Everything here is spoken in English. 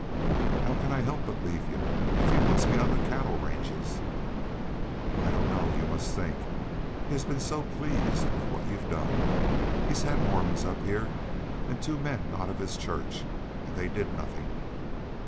"How can I help but leave you if he wants me on the cattle ranges?" "I don't know. You must think. He has been so pleased with what you've done. He's had Mormons up here, and two men not of his Church, and they did nothing.